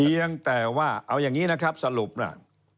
ยังแต่ว่าเอาอย่างนี้นะครับสรุปน่ะ